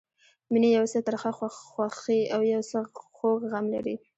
مینه یو څه ترخه خوښي او یو څه خوږ غم لري.